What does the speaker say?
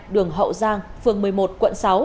đường hậu giang phường một mươi một quận sáu